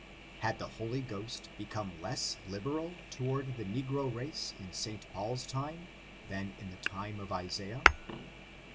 had the Holy Ghost become less liberal toward the negro race in St. Paul's time, than in the time of Isaiah?